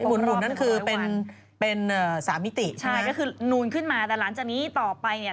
หุ่นนั่นคือเป็นเป็นสามมิติใช่ก็คือนูนขึ้นมาแต่หลังจากนี้ต่อไปเนี่ย